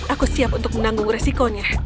aku siap untuk menanggung resikonya